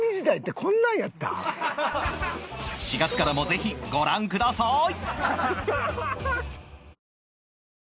４月からもぜひご覧ください！